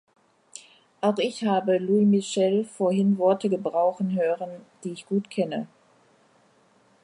Auch ich habe Louis Michel vorhin Worte gebrauchen hören, die ich gut kenne.